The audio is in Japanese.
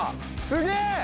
すげえ！